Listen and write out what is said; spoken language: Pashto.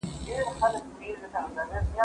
زه مخکي د زده کړو تمرين کړی وو؟